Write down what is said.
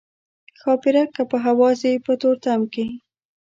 ښاپیرک که په هوا ځي په تورتم کې.